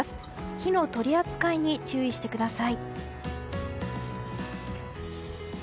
火の取り扱いに注意してください。